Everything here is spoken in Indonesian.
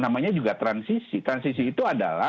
namanya juga transisi transisi itu adalah